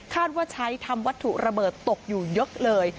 ว่าใช้ทำวัตถุระเบิดตกอยู่เยอะเลย